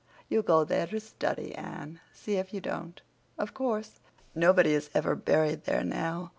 You'll go there to study, Anne, see if you don't. Of course, nobody is ever buried there now.